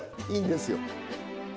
いいんですよ。